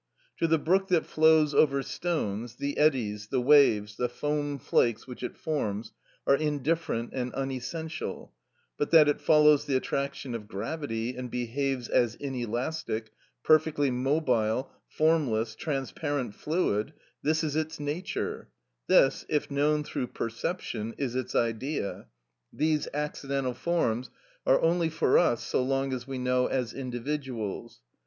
To the brook that flows over stones, the eddies, the waves, the foam flakes which it forms are indifferent and unessential; but that it follows the attraction of gravity, and behaves as inelastic, perfectly mobile, formless, transparent fluid: this is its nature; this, if known through perception, is its Idea; these accidental forms are only for us so long as we know as individuals.